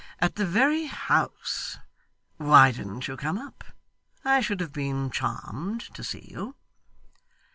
At the very house! Why didn't you come up? I should have been charmed to see you.